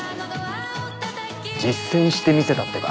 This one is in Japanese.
実践してみせたってか。